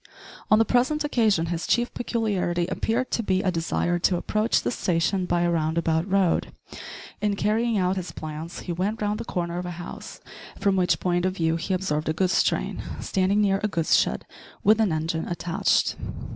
On the present occasion his chief peculiarity appeared to be a desire to approach the station by a round about road. In carrying out his plans he went round the corner of a house, from which point of view he observed a goods train standing near a goods shed with an engine attached.